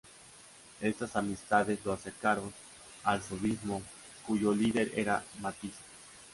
Estas amistades lo acercaron al Fovismo, cuyo líder era Matisse.